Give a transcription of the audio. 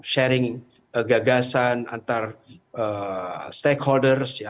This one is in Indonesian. sharing gagasan antara stakeholders